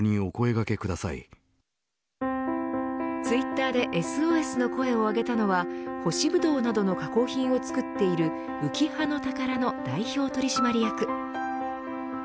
ツイッターでＳＯＳの声を上げたのは干しぶどうなどの加工品を作っているうきはの宝の代表取締役。